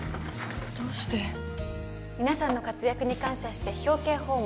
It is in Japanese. どうして皆さんの活躍に感謝して表敬訪問